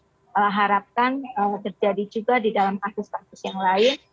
dan kami harapkan terjadi juga di dalam kasus kasus yang lain